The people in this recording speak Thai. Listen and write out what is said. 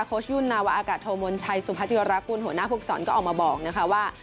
ชยุ่นนาวะอากาศโทมนชัยสุภาจิวรักษ์กุลหัวหน้าภูกษรก็ออกมาบอกนะคะว่า